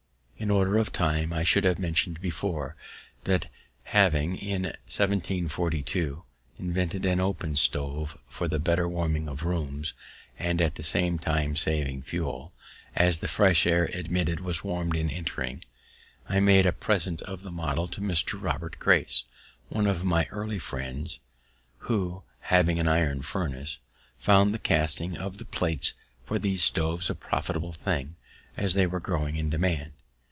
In order of time, I should have mentioned before, that having, in 1742, invented an open stove for the better warming of rooms, and at the same time saving fuel, as the fresh air admitted was warmed in entering, I made a present of the model to Mr. Robert Grace, one of my early friends, who, having an iron furnace, found the casting of the plates for these stoves a profitable thing, as they were growing in demand.